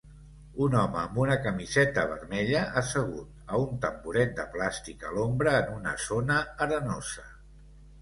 Un home amb una camiseta vermella assegut a un tamboret de plàstic a l'ombra en una zona arenosa.